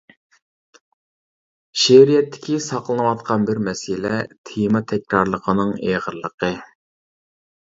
شېئىرىيەتتىكى ساقلىنىۋاتقان بىر مەسىلە تېما تەكرارلىقىنىڭ ئېغىرلىقى.